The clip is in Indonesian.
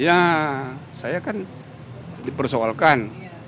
ya saya kan dipersoalkan